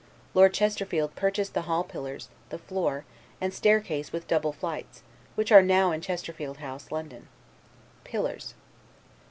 Lord Chesterfield purchased the hall pillars, the floor; and staircase with double flights; which are now in Chesterfield House, London.] pillars.